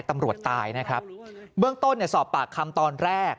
ตำรวจตายนะครับเบื้องต้นสอบปากคำตอนแรก